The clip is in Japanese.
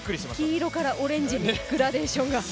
黄色からオレンジにグラデーションが。